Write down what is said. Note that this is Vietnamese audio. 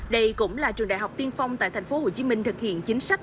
đây cũng là trường đại học tiên phong tại tp hcm thực hiện chính sách